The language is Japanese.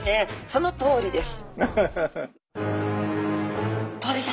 そのとりです。